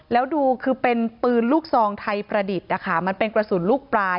แล้วดูคือเป็นปืนลูกซองไทยประดิษฐ์นะคะมันเป็นกระสุนลูกปลาย